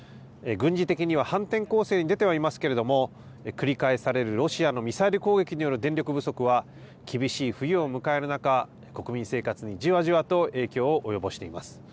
軍事的には反転攻勢に出てはいますけれども、繰り返されるロシアのミサイル攻撃による電力不足は、厳しい冬を迎える中、国民生活にじわじわと影響を及ぼしています。